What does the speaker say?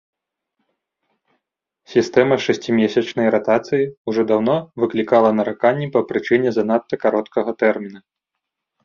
Сістэма шасцімесячнай ратацыі ўжо даўно выклікала нараканні па прычыне занадта кароткага тэрміна.